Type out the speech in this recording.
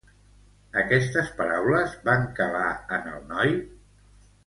Aquestes paraules van calar en el noi?